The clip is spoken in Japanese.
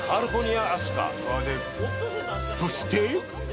［そして］